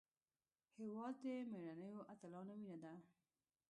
هېواد د مېړنیو اتلانو وینه ده.